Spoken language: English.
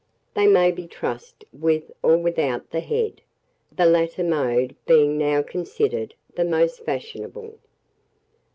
They may be trussed with or without the head, the latter mode being now considered the most fashionable.